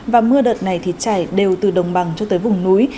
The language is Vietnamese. và mưa đợt này thì trải đều từ đồng bằng cho tới vùng núi